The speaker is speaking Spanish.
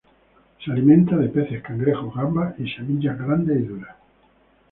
Se alimenta de peces, cangrejos, gambas y semillas grandes y duras.